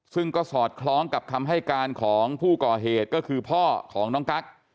ซึ่งก็สอดคล้องกับคำให้การของผู้ก่อเหตุก็คือพ่อของน้องกั๊ก